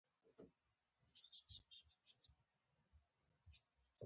هغوی هم افریقایان وو.